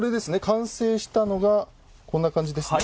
完成したのがこんな感じですね。